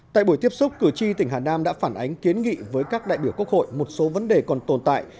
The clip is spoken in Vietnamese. tại buổi tiếp xúc cử tri tỉnh hà nam đã phản ánh kiến nghị với các đại biểu quốc hội một số vấn đề còn tồn tại